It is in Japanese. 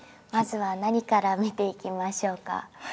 まずは何から見ていきましょうか？